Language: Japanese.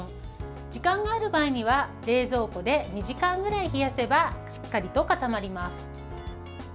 時間がある場合には冷蔵庫で２時間ぐらい冷やせばしっかりと固まります。